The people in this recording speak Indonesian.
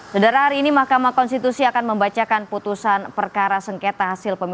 sederah hari ini mahkamah konstitusi akan membacakan putusan perkara sengketa hasil pemilu